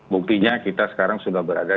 buktinya kita sekarang sudah berada